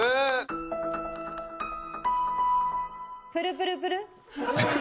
プルプルプル？